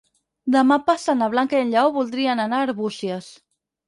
Demà passat na Blanca i en Lleó voldrien anar a Arbúcies.